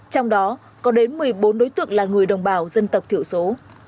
trong đó có đến một mươi bốn đối tượng là người đồng bào dân tộc thiểu số